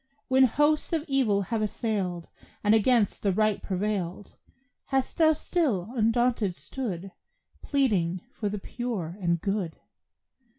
When hosts of evil have assailed, And against the right prevailed, Hast thou still undaunted stood Pleading for the pure and good?